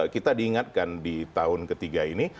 kita diingatkan di tahun ketiga ini